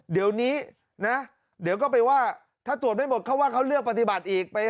เดี๋ยวนี้นะเดี๋ยวก็ไปว่าถ้าตรวจไม่หมดเขาว่าเขาเลือกปฏิบัติอีก